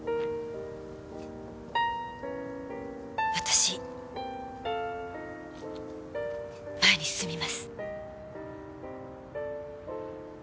私前に進みます。